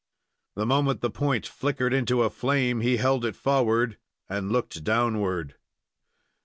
The moment the point flickered into a flame he held it forward and looked downward.